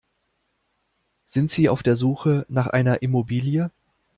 Sind Sie auf der Suche nach einer Immobilie?